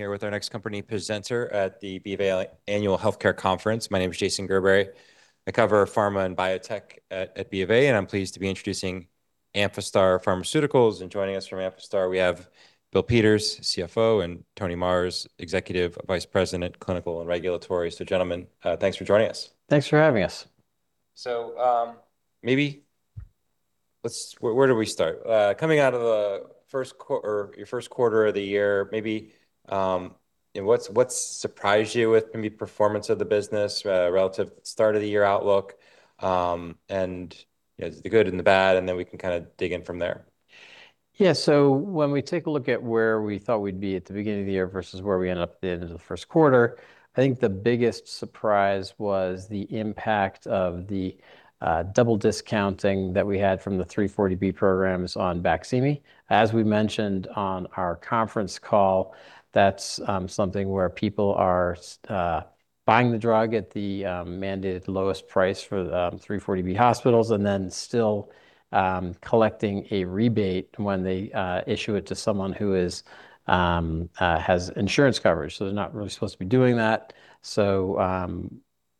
Going here with our next company presenter at the BofA Annual Healthcare Conference. My name is Jason Gerberry. I cover pharma and biotech at BofA, I'm pleased to be introducing Amphastar Pharmaceuticals. Joining us from Amphastar, we have Bill Peters, CFO, and Tony Marrs, Executive Vice President, Regulatory Affairs and Clinical Operations. Gentlemen, thanks for joining us. Thanks for having us. Where do we start? Coming out of the first quarter of the year, maybe, you know, what's surprised you with maybe performance of the business, relative start of the year outlook? You know, the good and the bad, and then we can kinda dig in from there. Yeah. When we take a look at where we thought we'd be at the beginning of the year versus where we ended up at the end of the first quarter, I think the biggest surprise was the impact of the double discounting that we had from the 340B programs on BAQSIMI. As we mentioned on our conference call, that's something where people are buying the drug at the mandated lowest price for the 340B hospitals and then still collecting a rebate when they issue it to someone who has insurance coverage. They're not really supposed to be doing that.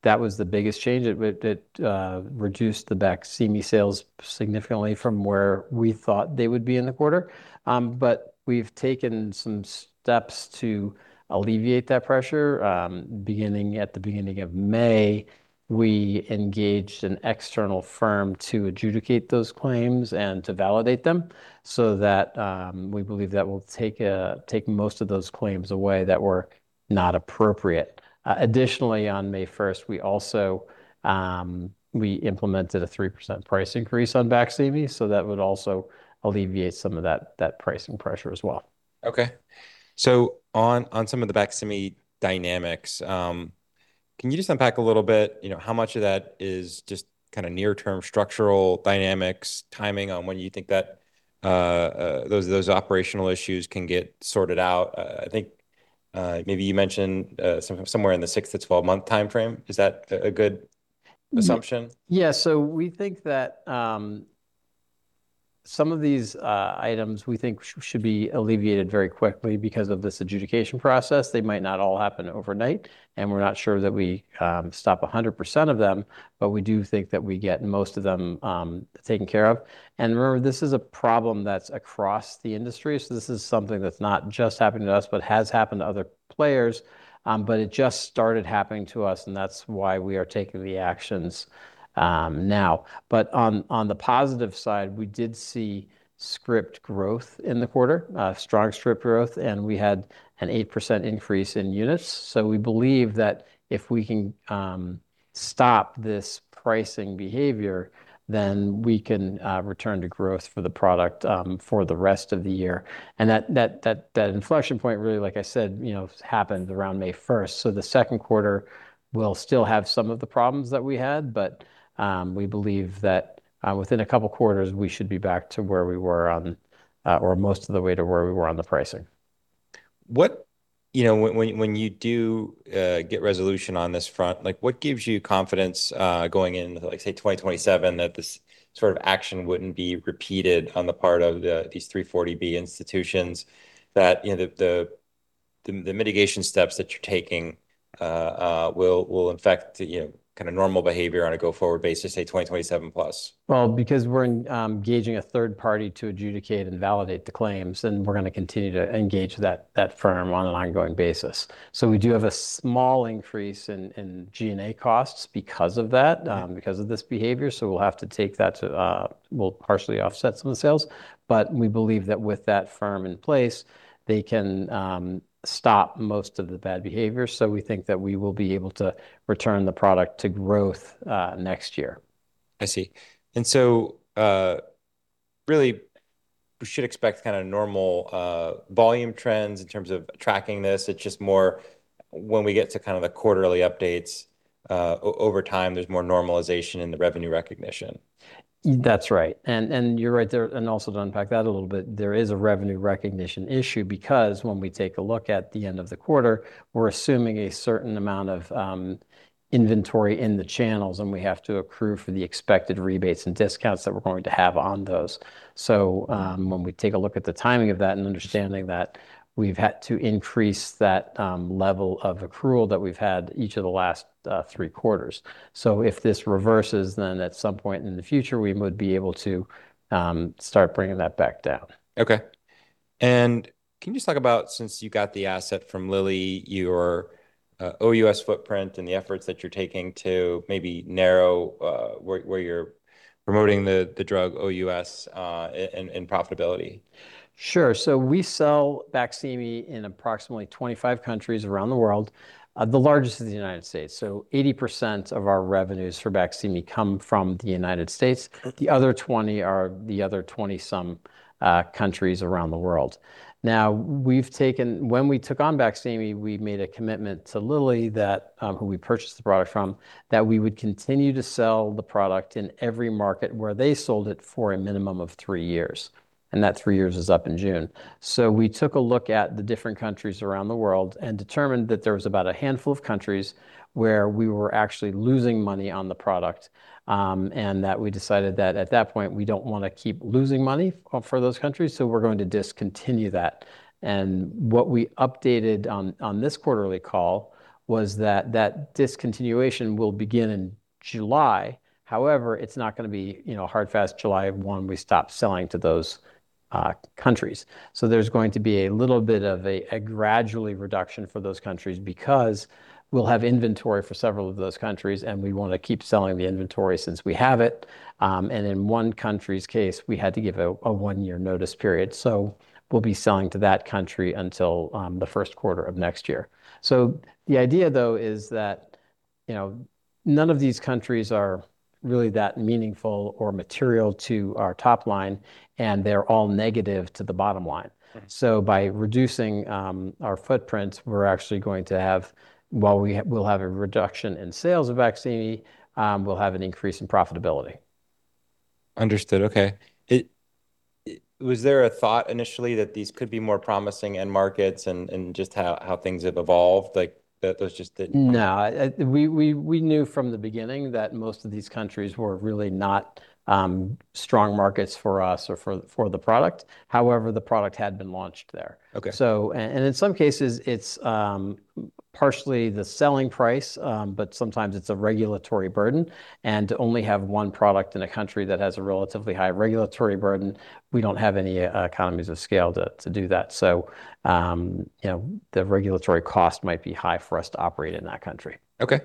That was the biggest change. It reduced the BAQSIMI sales significantly from where we thought they would be in the quarter. We've taken some steps to alleviate that pressure. Beginning at the beginning of May, we engaged an external firm to adjudicate those claims and to validate them so that we believe that will take most of those claims away that were not appropriate. Additionally, on May 1st, we also implemented a 3% price increase on BAQSIMI, so that would also alleviate some of that pricing pressure as well. On some of the BAQSIMI dynamics, can you just unpack a little bit, you know, how much of that is just kinda near-term structural dynamics, timing on when you think that those operational issues can get sorted out? I think maybe you mentioned somewhere in the six to 12-month timeframe. Is that a good assumption? Yeah. We think that some of these items we think should be alleviated very quickly because of this adjudication process. They might not all happen overnight, and we're not sure that we stop 100% of them, but we do think that we get most of them taken care of. Remember, this is a problem that's across the industry, so this is something that's not just happening to us, but has happened to other players. It just started happening to us, and that's why we are taking the actions now. On, on the positive side, we did see script growth in the quarter, strong script growth, and we had an 8% increase in units. We believe that if we can stop this pricing behavior, then we can return to growth for the product for the rest of the year. That inflection point really, like I said, you know, happened around May 1st. The second quarter will still have some of the problems that we had, but we believe that within a couple of quarters, we should be back to where we were on or most of the way to where we were on the pricing. What you know, when you do get resolution on this front, like, what gives you confidence going into, like, say, 2027, that this sort of action wouldn't be repeated on the part of these 340B institutions that you know, the mitigation steps that you're taking will affect you know, kinda normal behavior on a go-forward basis, say, 2027 plus? Because we're engaging a third party to adjudicate and validate the claims, and we're gonna continue to engage that firm on an ongoing basis. We do have a small increase in G&A costs because of that. Yeah. Because of this behavior, we'll partially offset some of the sales. We believe that with that firm in place, they can stop most of the bad behavior. We think that we will be able to return the product to growth next year. I see. Really we should expect kinda normal volume trends in terms of tracking this. It's just more when we get to kind of the quarterly updates over time, there's more normalization in the revenue recognition. That's right. You're right there. Also to unpack that a little bit, there is a revenue recognition issue because when we take a look at the end of the quarter, we're assuming a certain amount of inventory in the channels, and we have to accrue for the expected rebates and discounts that we're going to have on those. When we take a look at the timing of that and understanding that, we've had to increase that level of accrual that we've had each of the last three quarters. If this reverses, then at some point in the future, we would be able to start bringing that back down. Okay. Can you just talk about, since you got the asset from Lilly, your OUS footprint and the efforts that you're taking to maybe narrow where you're promoting the drug OUS in profitability? Sure. We sell BAQSIMI in approximately 25 countries around the world, the largest is the United States. 80% of our revenues for BAQSIMI come from the United States. Okay. The other 20 are the other 20-some countries around the world. When we took on BAQSIMI, we made a commitment to Lilly that, who we purchased the product from, that we would continue to sell the product in every market where they sold it for a minimum of three years, and that three years is up in June. We took a look at the different countries around the world and determined that there was about a handful of countries where we were actually losing money on the product, and that we decided that at that point, we don't wanna keep losing money for those countries, so we're going to discontinue that. What we updated on this quarterly call was that discontinuation will begin in July. However, it's not going to be, you know, hard fast July 1 we stop selling to those countries. There's going to be a little bit of a gradual reduction for those countries because we'll have inventory for several of those countries, and we want to keep selling the inventory since we have it. In one country's case, we had to give a one-year notice period. We'll be selling to that country until the first quarter of next year. The idea though is that, you know, none of these countries are really that meaningful or material to our top line, and they're all negative to the bottom line. By reducing, our footprint, we're actually going to have, while we'll have a reduction in sales of BAQSIMI, we'll have an increase in profitability. Understood. Okay. Was there a thought initially that these could be more promising end markets and just how things have evolved, like, that those just didn't. No. We knew from the beginning that most of these countries were really not strong markets for us or for the product. However, the product had been launched there. Okay. In some cases it's partially the selling price, but sometimes it's a regulatory burden. To only have one product in a country that has a relatively high regulatory burden, we don't have any economies of scale to do that. You know, the regulatory cost might be high for us to operate in that country. Okay.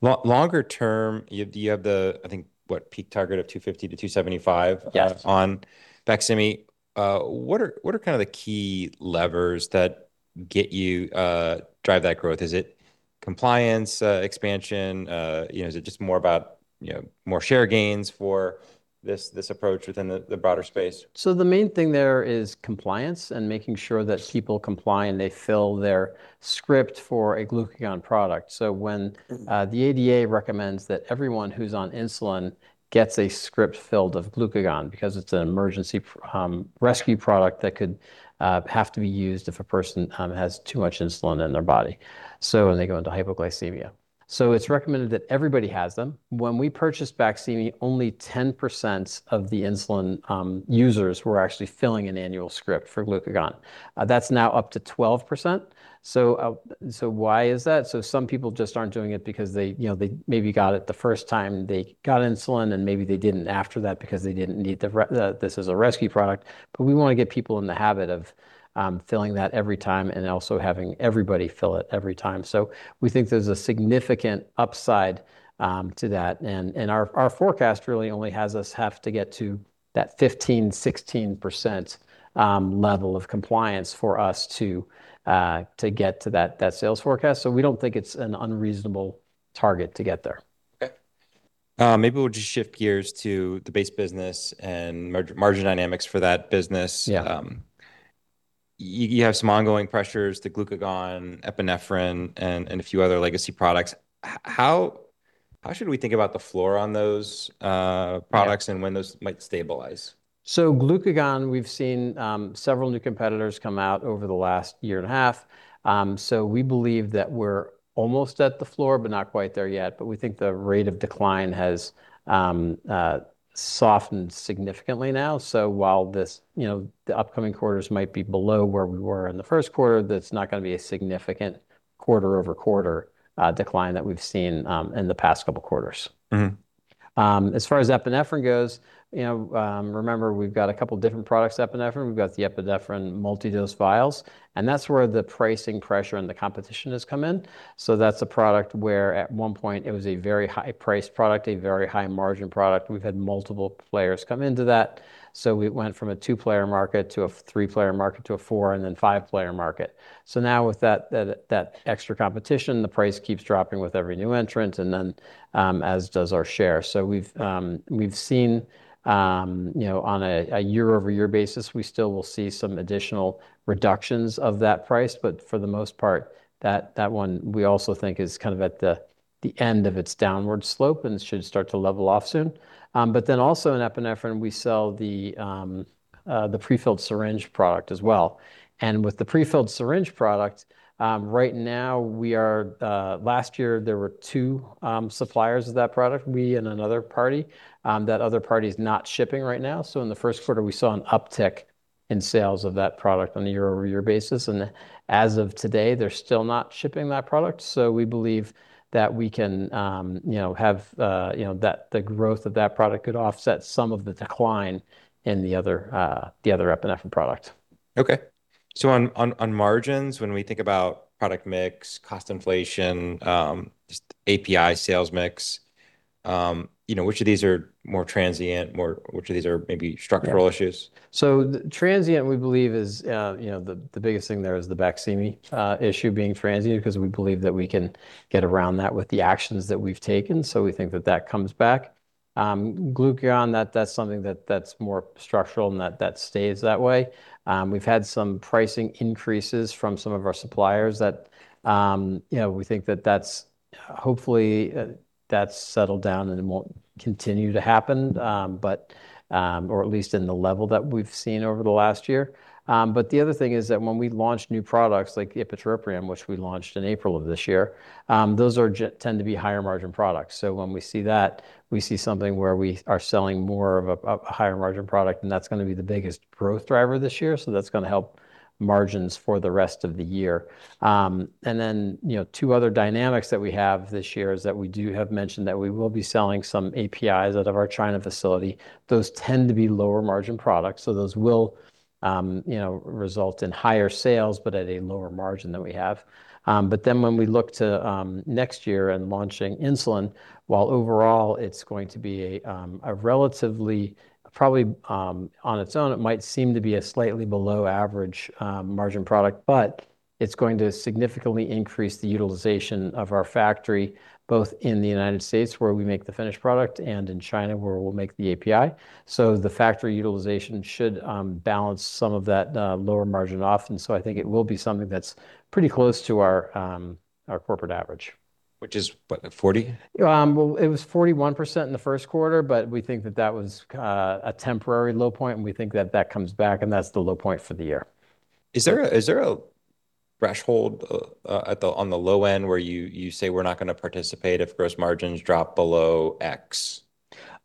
longer term, you have, do you have the, I think, what, peak target of $250 million-$275 million? Yes. On BAQSIMI? What are kind of the key levers that get you, drive that growth? Is it compliance, expansion? You know, is it just more about, you know, more share gains for this approach within the broader space? The main thing there is compliance. Sure. People comply and they fill their script for a glucagon product. The ADA recommends that everyone who's on insulin gets a script filled of glucagon because it's an emergency rescue product that could have to be used if a person has too much insulin in their body, so when they go into hypoglycemia. It's recommended that everybody has them. When we purchased BAQSIMI, only 10% of the insulin users were actually filling an annual script for glucagon. That's now up to 12%. Why is that? Some people just aren't doing it because they, you know, they maybe got it the first time they got insulin, and maybe they didn't after that because they didn't need this as a rescue product. We wanna get people in the habit of filling that every time and also having everybody fill it every time. We think there's a significant upside to that. Our forecast really only has us have to get to that 15%-16% level of compliance for us to get to that sales forecast. We don't think it's an unreasonable target to get there. Okay. Maybe we'll just shift gears to the base business and margin dynamics for that business. Yeah. You have some ongoing pressures to glucagon, epinephrine, and a few other legacy products. How should we think about the floor on those products? Yeah. When those might stabilize? Glucagon, we've seen several new competitors come out over the last 1.5 years. We believe that we're almost at the floor, but not quite there yet. We think the rate of decline has softened significantly now. While this, you know, the upcoming quarters might be below where we were in the first quarter, that's not gonna be a significant quarter-over-quarter decline that we've seen in the past two quarters. As far as epinephrine goes, you know, remember we've got two different products epinephrine. We've got the epinephrine multi-dose vials, and that's where the pricing pressure and the competition has come in. That's a product where at one point it was a very high-priced product, a very high margin product, and we've had multiple players come into that. We went from a two-player market to a three-player market to a four and then five-player market. Now with that extra competition, the price keeps dropping with every new entrant and then as does our share. We've seen, you know, on a year-over-year basis, we still will see some additional reductions of that price. For the most part, that one we also think is kind of at the end of its downward slope and should start to level off soon. Also in epinephrine, we sell the prefilled syringe product as well. With the prefilled syringe product, last year there were two suppliers of that product, we and another party. That other party's not shipping right now. In the first quarter we saw an uptick in sales of that product on a year-over-year basis. As of today, they're still not shipping that product. We believe that we can, you know, have, you know, that the growth of that product could offset some of the decline in the other, the other epinephrine product. Okay. on margins, when we think about product mix, cost inflation, just API sales mix, you know, which of these are more transient, which of these are maybe structural issues? So, the transient, we believe is, you know, the biggest thing there is the BAQSIMI issue being transient because we believe that we can get around that with the actions that we've taken. We think that that comes back. Glucagon, that's something that's more structural and that stays that way. We've had some pricing increases from some of our suppliers that, you know, we think that that's hopefully settled down and it won't continue to happen, or at least in the level that we've seen over the last year. The other thing is that when we launch new products like ipratropium, which we launched in April of this year, those tend to be higher margin products. When we see that, we see something where we are selling more of a higher margin product, and that's gonna be the biggest growth driver this year. That's gonna help margins for the rest of the year. Then, you know, two other dynamics that we have this year is that we do have mentioned that we will be selling some APIs out of our China facility. Those tend to be lower margin products, those will, you know, result in higher sales, but at a lower margin than we have. When we look to next year and launching insulin, while overall it's going to be a relatively, probably, on its own, it might seem to be a slightly below average margin product, it's going to significantly increase the utilization of our factory, both in the U.S., where we make the finished product, and in China, where we'll make the API. The factory utilization should balance some of that lower margin off. I think it will be something that's pretty close to our corporate average. Which is, what, 40%? Well, it was 41% in the first quarter, but we think that that was a temporary low point, and we think that that comes back and that's the low point for the year. Is there a threshold on the low end where you say, "We're not gonna participate if gross margins drop below X"?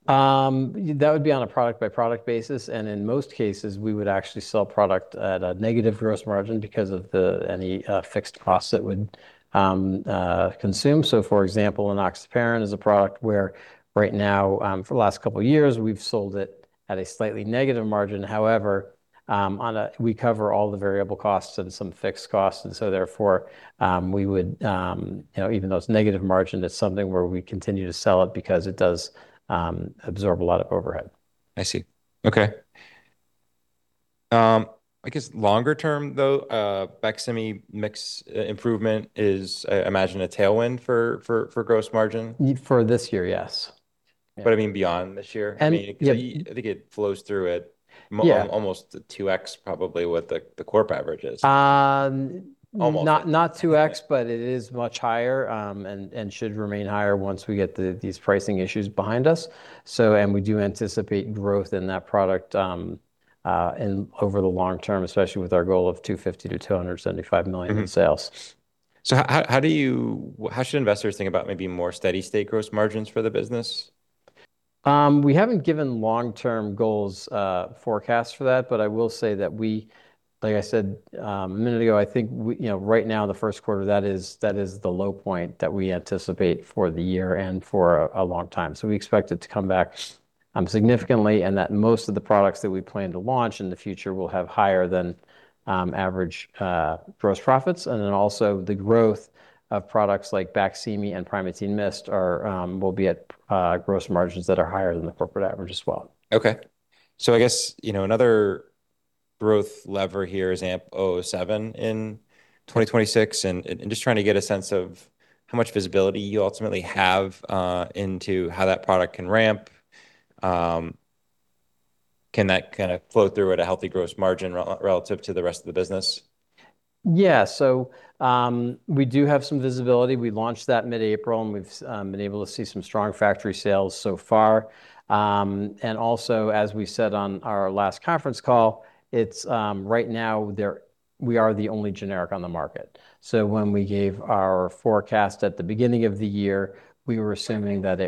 That would be on a product-by-product basis, and in most cases, we would actually sell product at a negative gross margin because of the, any, fixed cost it would consume. For example, enoxaparin is a product where right now, for the last couple years, we've sold it at a slightly negative margin. However, We cover all the variable costs and some fixed costs and so therefore, we would, you know, even though it's negative margin, it's something where we continue to sell it because it does absorb a lot of overhead. I see. Okay. I guess longer term though, BAQSIMI mix improvement is, I imagine, a tailwind for gross margin. For this year, yes. I mean beyond this year. Yeah. I mean, 'cause I think it flows through at mo-. Yeah. Almost the 2x probably what the corp average is. Um- Almost. Not 2X, but it is much higher, and should remain higher once we get these pricing issues behind us. We do anticipate growth in that product, in, over the long term, especially with our goal of $250 million-$275 million in sales. How should investors think about maybe more steady state gross margins for the business? We haven't given long-term goals, forecast for that, but I will say that we, like I said, a minute ago, I think we, you know, right now, the first quarter, that is, that is the low point that we anticipate for the year and for a long time. We expect it to come back significantly, and that most of the products that we plan to launch in the future will have higher than average gross profits. The growth of products like BAQSIMI and Primatene MIST are will be at gross margins that are higher than the corporate average as well. Okay. I guess, you know, another growth lever here is AMP-007 in 2026, and just trying to get a sense of how much visibility you ultimately have into how that product can ramp. Can that kinda flow through at a healthy gross margin relative to the rest of the business? We do have some visibility. We launched that mid-April, and we've been able to see some strong factory sales so far. Also, as we said on our last conference call, it's, right now there, we are the only generic on the market. When we gave our forecast at the beginning of the year, we were assuming that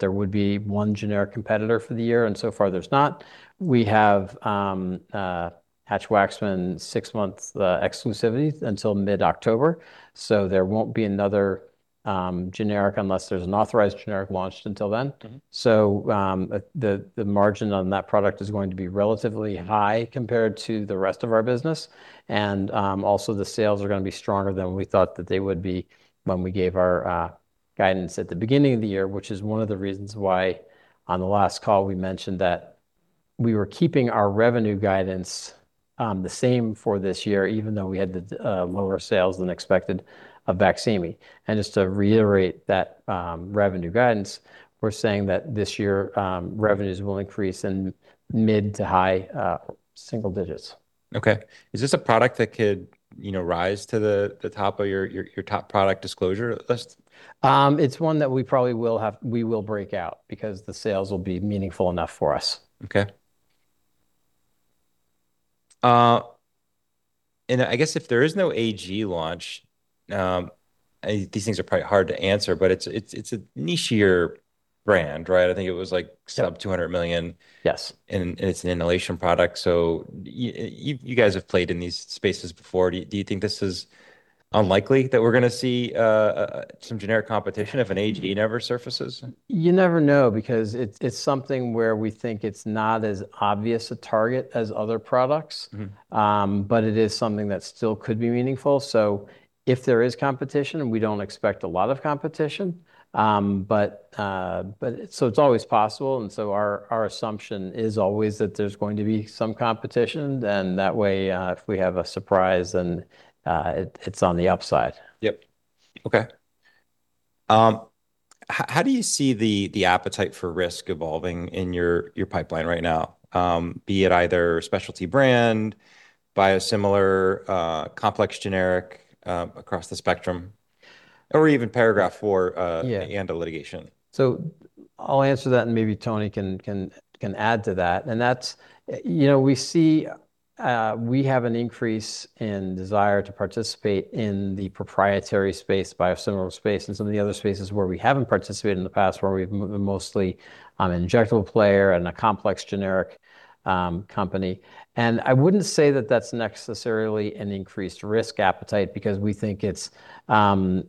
there would be one generic competitor for the year, so far there's not. We have Hatch-Waxman six-month exclusivity until mid-October, there won't be another generic unless there's an authorized generic launched until then. The margin on that product is going to be relatively high compared to the rest of our business, and also the sales are going to be stronger than we thought that they would be when we gave our guidance at the beginning of the year, which is one of the reasons why on the last call we mentioned that we were keeping our revenue guidance the same for this year, even though we had the lower sales than expected of BAQSIMI. Just to reiterate that revenue guidance, we're saying that this year revenues will increase in mid-to-high single-digits. Okay. Is this a product that could, you know, rise to the top of your top product disclosure list? It's one that we will break out because the sales will be meaningful enough for us. Okay. I guess if there is no AG launch, these things are probably hard to answer, but it's, it's a nichier brand, right? I think it was like sub $200 million. Yes. It's an inhalation product, you guys have played in these spaces before. Do you think this is unlikely that we're gonna see some generic competition if an AG never surfaces? You never know, because it's something where we think it's not as obvious a target as other products. It is something that still could be meaningful. If there is competition, and we don't expect a lot of competition, but so it's always possible, and so our assumption is always that there's going to be some competition, then that way, if we have a surprise, then, it's on the upside. Yep. Okay. How do you see the appetite for risk evolving in your pipeline right now? Be it either specialty brand, biosimilar, complex generic, across the spectrum, or even Paragraph IV. Yeah. A litigation. I'll answer that, and maybe Tony can add to that. That's, you know, we see, we have an increase in desire to participate in the proprietary space, biosimilar space, and some of the other spaces where we haven't participated in the past where we've been mostly, injectable player and a complex generic company. I wouldn't say that that's necessarily an increased risk appetite because we think it's an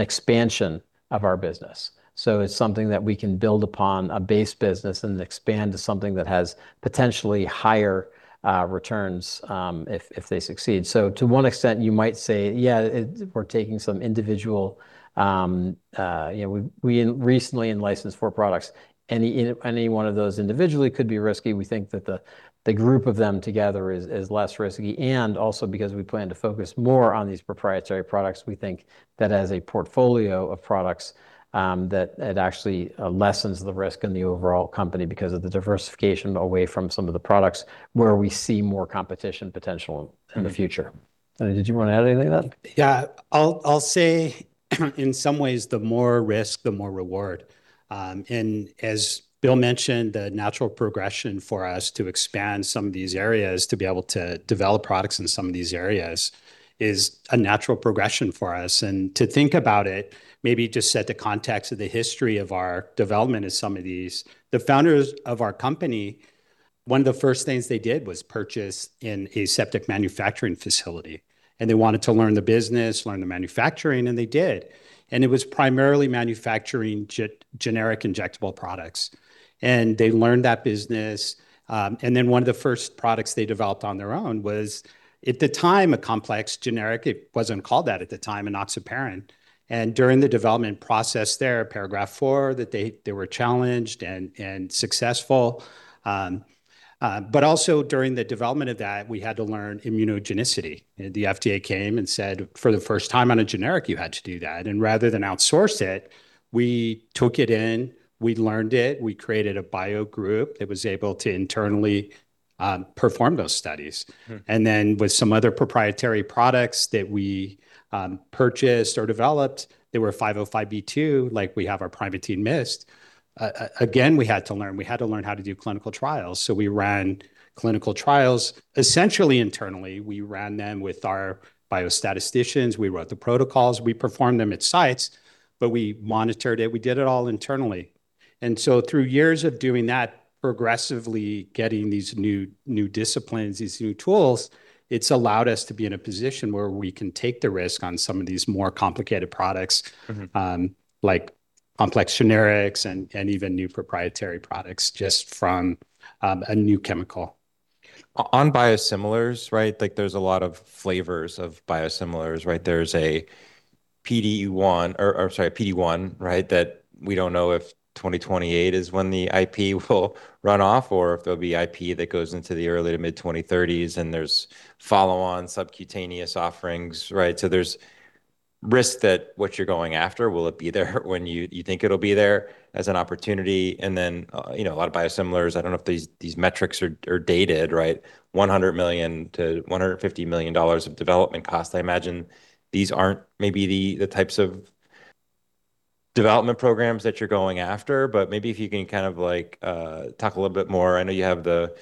expansion of our business. It's something that we can build upon a base business and expand to something that has potentially higher returns, if they succeed. To one extent you might say, yeah, it we're taking some individual, you know, we recently in licensed four products. Any one of those individually could be risky. We think that the group of them together is less risky. Also because we plan to focus more on these proprietary products, we think that as a portfolio of products, that it actually lessens the risk in the overall company because of the diversification away from some of the products where we see more competition potential in the future. Tony, did you want to add anything to that? Yeah. I'll say in some ways, the more risk, the more reward. As Bill mentioned, the natural progression for us to expand some of these areas to be able to develop products in some of these areas is a natural progression for us. To think about it, maybe just set the context of the history of our development as some of these. The founders of our company, one of the first things they did was purchase an aseptic manufacturing facility, and they wanted to learn the business, learn the manufacturing, and they did. It was primarily manufacturing generic injectable products. They learned that business. One of the first products they developed on their own was, at the time, a complex generic, it wasn't called that at the time, enoxaparin. During the development process there, Paragraph IV, that they were challenged and successful. Also during the development of that, we had to learn immunogenicity. The FDA came and said, "For the first time on a generic, you had to do that." Rather than outsource it, we took it in, we learned it, we created a bio group that was able to internally perform those studies. With some other proprietary products that we purchased or developed, they were a 505, like we have our Primatene Mist. Again, we had to learn how to do clinical trials, so we ran clinical trials essentially internally. We ran them with our biostatisticians, we wrote the protocols, we performed them at sites, but we monitored it. We did it all internally. Through years of doing that, progressively getting these new disciplines, these new tools, it's allowed us to be in a position where we can take the risk on some of these more complicated products like complex generics and even new proprietary products just from a new chemical. On biosimilars, right? Like there's a lot of flavors of biosimilars, right? There's a PD-1, right? That we don't know if 2028 is when the IP will run off or if there'll be IP that goes into the early to mid 2030s, and there's follow-on subcutaneous offerings, right? There's risk that what you're going after, will it be there when you think it'll be there as an opportunity? You know, a lot of biosimilars, I don't know if these metrics are dated, right? $100 million-$150 million of development cost. I imagine these aren't maybe the types of development programs that you're going after, but maybe if you can kind of like talk a little bit more. I know you have the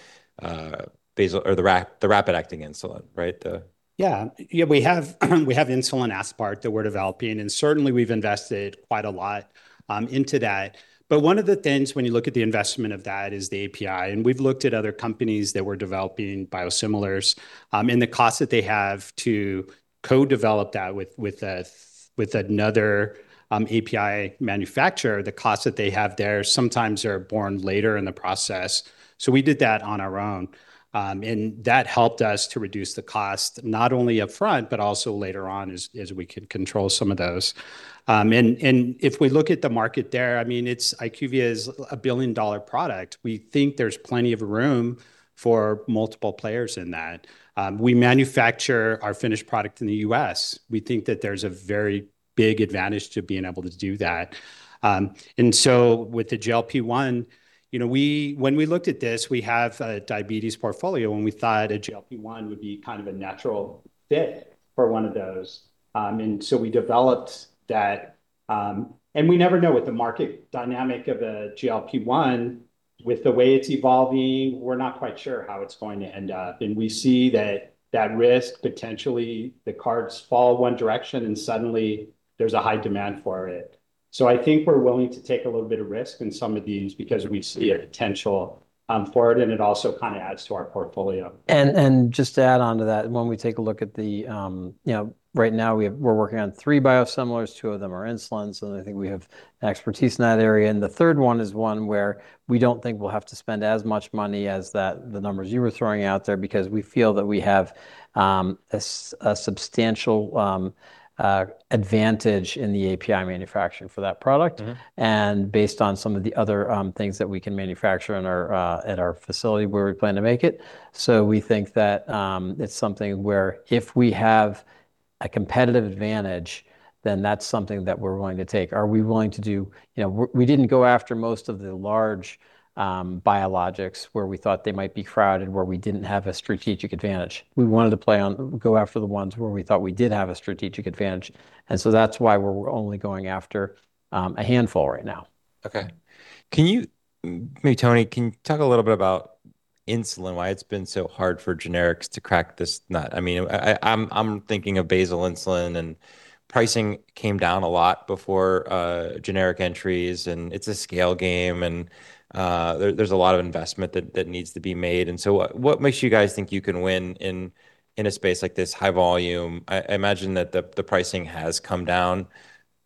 basal or the rapid-acting insulin, right? We have insulin aspart that we're developing, and certainly we've invested quite a lot into that. One of the things when you look at the investment of that is the API, and we've looked at other companies that were developing biosimilars, and the cost that they have to co-develop that with another API manufacturer. The costs that they have there sometimes are born later in the process. We did that on our own, and that helped us to reduce the cost not only up front, but also later on as we could control some of those. If we look at the market there, I mean, IQVIA is a $1 billion product. We think there's plenty of room for multiple players in that. We manufacture our finished product in the U.S. We think that there's a very big advantage to being able to do that. With the GLP-1, you know, we, when we looked at this, we have a diabetes portfolio, and we thought a GLP-1 would be kind of a natural fit for one of those. We developed that, and we never know what the market dynamic of a GLP-1, with the way it's evolving, we're not quite sure how it's going to end up. We see that that risk, potentially the cards fall one direction, and suddenly there's a high demand for it. I think we're willing to take a little bit of risk in some of these because we see a potential, for it, and it also kind of adds to our portfolio. Just to add onto that, when we take a look at the, right now we're working on three biosimilars, two of them are insulins, and I think we have expertise in that area. The third one is one where we don't think we'll have to spend as much money as that, the numbers you were throwing out there because we feel that we have a substantial advantage in the API manufacturing for that product. Based on some of the other things that we can manufacture in our at our facility where we plan to make it. We think that it's something where if we have a competitive advantage, then that's something that we're willing to take. Are we willing to do You know, we didn't go after most of the large biologics where we thought they might be crowded, where we didn't have a strategic advantage. We wanted to go after the ones where we thought we did have a strategic advantage, that's why we're only going after a handful right now. Okay. Maybe Tony, can you talk a little bit about insulin, why it's been so hard for generics to crack this nut? I mean, I'm thinking of basal insulin and pricing came down a lot before generic entries, and it's a scale game, and there's a lot of investment that needs to be made. What makes you guys think you can win in a space like this, high volume? I imagine that the pricing has come down.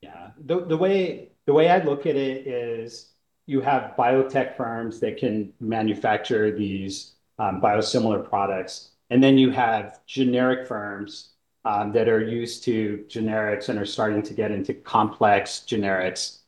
Yeah. The way I look at it is you have biotech firms that can manufacture these biosimilar products, then you have generic firms that are used to generics and are starting to get into complex generics.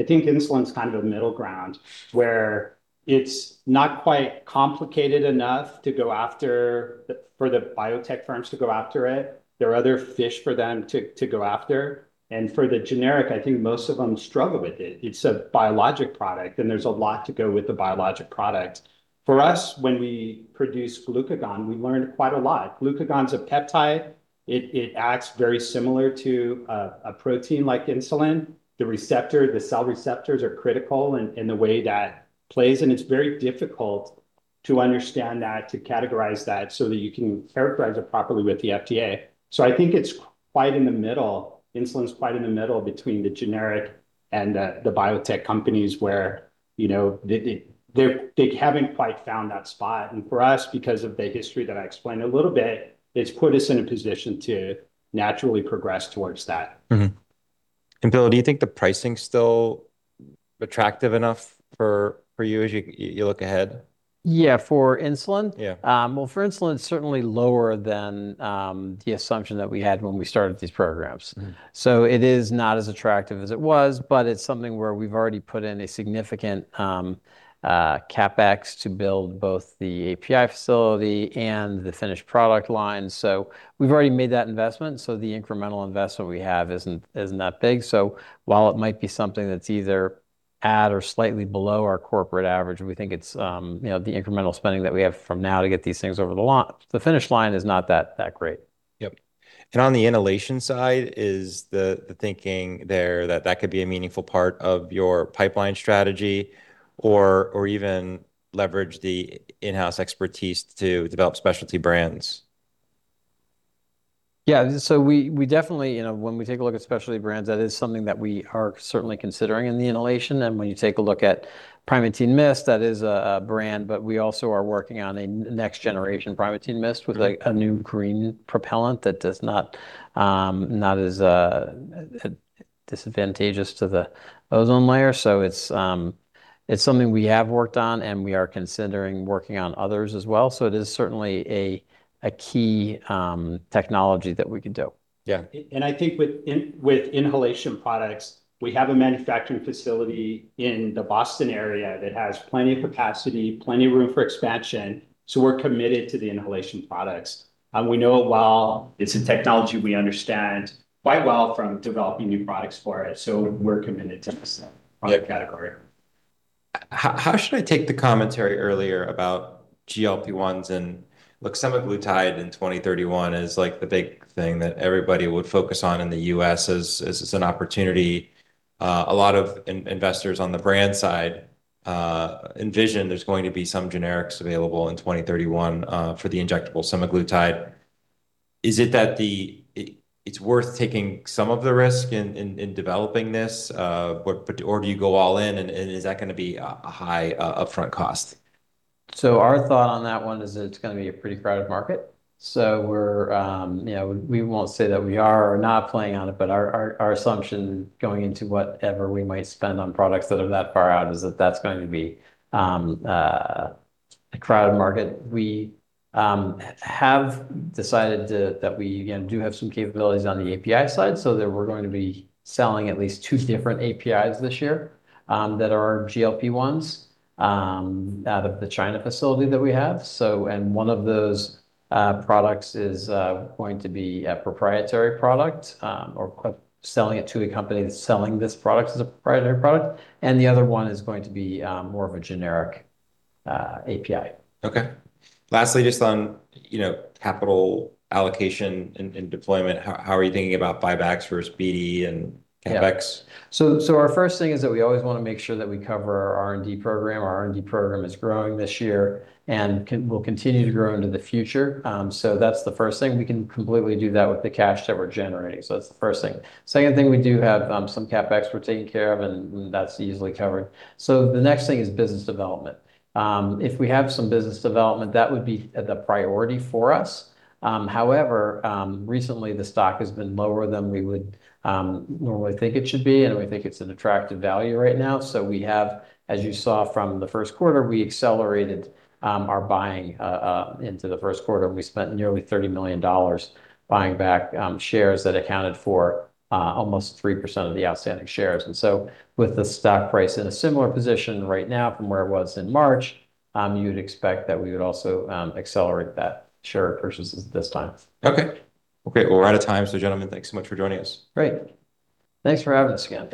I think insulin's kind of a middle ground where it's not quite complicated enough for the biotech firms to go after it. There are other fish for them to go after. For the generic, I think most of them struggle with it. It's a biologic product, there's a lot to go with the biologic product. For us, when we produced glucagon, we learned quite a lot. Glucagon's a peptide. It acts very similar to a protein like insulin. The receptor, the cell receptors are critical in the way that plays, and it's very difficult to understand that, to categorize that so that you can characterize it properly with the FDA. I think it's quite in the middle, insulin's quite in the middle between the generic and the biotech companies where, you know, they haven't quite found that spot. For us, because of the history that I explained a little bit, it's put us in a position to naturally progress towards that. Mm-hmm. Bill, do you think the pricing's still attractive enough for you as you look ahead? Yeah. For insulin? Yeah. Well, for insulin, it's certainly lower than the assumption that we had when we started these programs. It is not as attractive as it was, but it's something where we've already put in a significant CapEx to build both the API facility and the finished product line. We've already made that investment, so the incremental investment we have isn't that big. While it might be something that's either at or slightly below our corporate average, and we think it's, you know, the incremental spending that we have from now to get these things over the line, the finish line is not that great. Yep. On the inhalation side, is the thinking there that could be a meaningful part of your pipeline strategy or even leverage the in-house expertise to develop specialty brands? Yeah. We definitely, you know, when we take a look at specialty brands, that is something that we are certainly considering in the inhalation. When you take a look at Primatene MIST, that is a brand, but we also are working on a next generation Primatene MIST with a new green propellant that does not not as disadvantageous to the ozone layer. It's something we have worked on, and we are considering working on others as well. It is certainly a key technology that we could do. Yeah. I think with inhalation products, we have a manufacturing facility in the Boston area that has plenty of capacity, plenty of room for expansion, so we're committed to the inhalation products. We know it well. It's a technology we understand quite well from developing new products for it, so we're committed to the product category. How should I take the commentary earlier about GLP-1s and license semaglutide in 2031 is, like, the big thing that everybody would focus on in the US as an opportunity. A lot of investors on the brand side envision there's going to be some generics available in 2031 for the injectable semaglutide. Is it that it's worth taking some of the risk in developing this, or do you go all in and is that gonna be a high upfront cost? Our thought on that one is it's going to be a pretty crowded market. We're, you know, we won't say that we are or are not playing on it, but our, our assumption going into whatever we might spend on products that are that far out is that that's going to be a crowded market. We have decided that we, again, do have some capabilities on the API side, so that we're going to be selling at least two different APIs this year that are GLP-1s out of the China facility that we have. One of those products is going to be a proprietary product or selling it to a company that's selling this product as a proprietary product, and the other one is going to be more of a generic API. Okay. Lastly, just on, you know, capital allocation and deployment, how are you thinking about buybacks versus BD and CapEx? So, our first thing is that we always wanna make sure that we cover our R&D program. Our R&D program is growing this year and will continue to grow into the future. That's the first thing. We can completely do that with the cash that we're generating, that's the first thing. Second thing, we do have some CapEx we're taking care of, and that's easily covered. The next thing is business development. If we have some business development, that would be the priority for us. However, recently the stock has been lower than we would normally think it should be, and we think it's an attractive value right now. We have, as you saw from the first quarter, we accelerated our buying into the first quarter, and we spent nearly $30 million buying back shares that accounted for almost 3% of the outstanding shares. With the stock price in a similar position right now from where it was in March, you'd expect that we would also accelerate that share purchases this time. Okay. Okay. Well, we're out of time. Gentlemen, thanks so much for joining us. Great. Thanks for having us again.